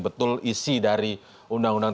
betul isi dari undang undang